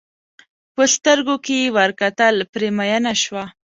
په سترګو کې یې ور کتل پرې مینه شوه.